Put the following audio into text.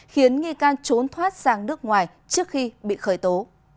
khiến nghi can trốn thoát sang nước ngoài trước khi bị khởi tố